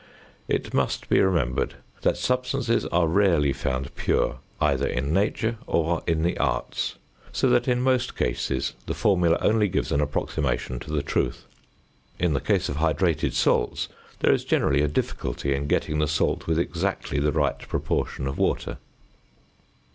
It must be remembered that substances are rarely found pure either in nature or in the arts; so that in most cases the formula only gives an approximation to the truth. In the case of hydrated salts there is generally a difficulty in getting the salt with exactly the right proportion of water.